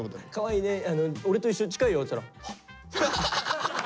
「俺と一緒近いよ」って言ったらハッ。